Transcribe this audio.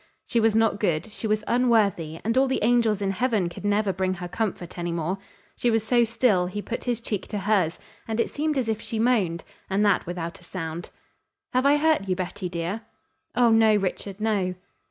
She was not good; she was unworthy, and all the angels in heaven could never bring her comfort any more. She was so still he put his cheek to hers, and it seemed as if she moaned, and that without a sound. "Have I hurt you, Betty, dear?" "Oh, no, Richard, no."